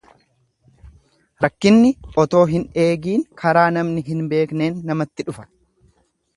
Rakkinni otoo hin eegiin karaa namni hin beekneen namatti dhufa.